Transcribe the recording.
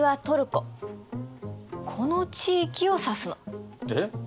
この地域を指すの。え？